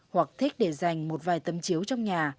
hoặc thích để dành một vài tấm chiếu trong nhà